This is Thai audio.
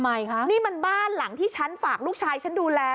ทำไมคะนี่มันบ้านหลังที่ฉันฝากลูกชายฉันดูแล